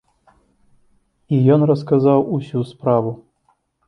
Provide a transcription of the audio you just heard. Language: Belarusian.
І ён расказаў усю справу.